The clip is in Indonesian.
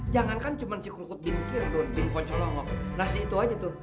jangan kan cuman si krukut bingkir dong bingkot colongok nasi itu aja tuh